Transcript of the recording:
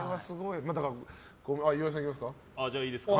岩井さん、いきますか。